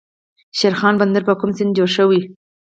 شیرخان بندر په کوم سیند جوړ شوی؟